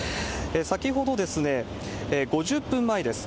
先ほどですね、５０分前です。